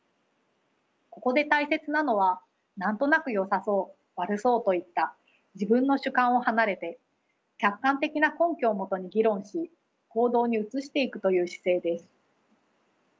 ここで大切なのは何となくよさそう悪そうといった自分の主観を離れて客観的な根拠をもとに議論し行動に移していくという姿勢です。